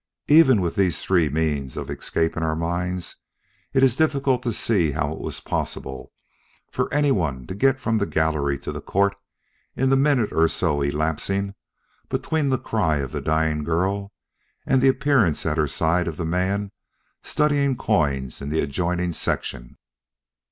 Even with these three means of escape in our minds, it is difficult to see how it was possible for anyone to get from the gallery to the court in the minute or so elapsing between the cry of the dying girl and the appearance at her side of the man studying coins in the adjoining section."